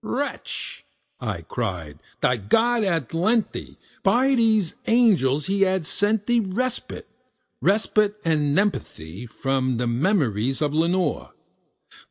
"Wretch," I cried, "thy God hath lent thee by these angels he hath sent thee Respite respite aad nepenthé from thy memories of Lenore!